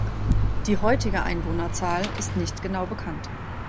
Die heutige Einwohnerzahl ist nicht genau bekannt.